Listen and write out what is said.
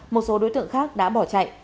một số đối tượng khác đã bỏ chạy